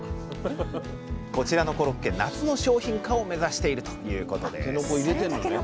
こちらのコロッケ夏の商品化を目指しているということです